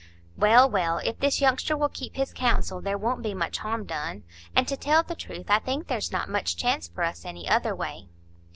"Well, well, if this youngster will keep his counsel, there won't be much harm done. And to tell the truth, I think there's not much chance for us any other way.